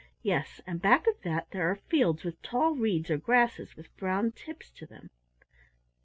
"Yes, and back of that there are fields with tall reeds or grasses with brown tips to them."